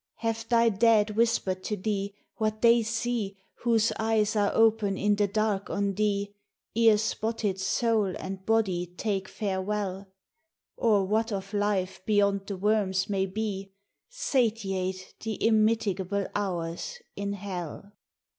Have thy dead whispered to thee what they see Whose eyes are open in the dark on thee Ere spotted soul and body take farewell Or what of life beyond the worm's may be Satiate the immitigable hours in hell?